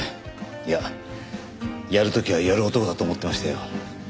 いややる時はやる男だと思ってましたよ。